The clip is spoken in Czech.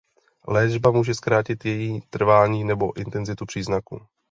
Léčba může zkrátit její trvání nebo intenzitu příznaků.